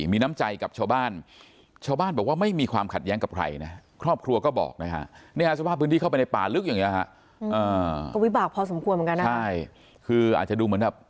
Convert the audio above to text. มีน้ำใจกับชาวบ้านชาวบ้านบอกว่าไม่มีความขัดแย้งกับใครนะครอบครัวก็บอกนะฮะ